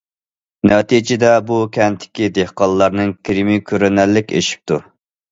نەتىجىدە بۇ كەنتتىكى دېھقانلارنىڭ كىرىمى كۆرۈنەرلىك ئېشىپتۇ.